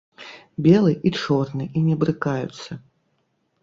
Белы і чорны і не брыкаюцца.